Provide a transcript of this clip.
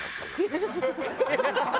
ハハハハ！